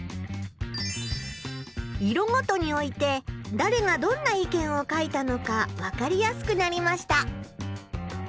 色ごとに置いてだれがどんな意見を書いたのか分かりやすくなりました。